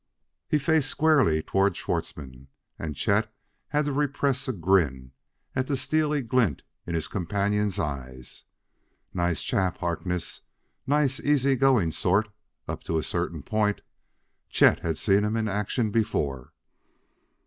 He faced squarely toward Schwartzmann, and Chet had to repress a grin at the steely glint in his companion's eyes. Nice chap, Harkness nice, easy going sort up to a certain point. Chet had seen him in action before.